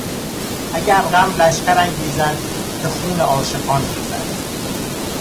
اگر غم لشکر انگیزد که خون عاشقان ریزد...